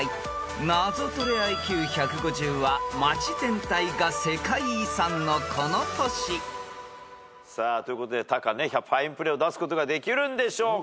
［ナゾトレＩＱ１５０は街全体が世界遺産のこの都市］ということでタカねファインプレーを出すことができるんでしょうか？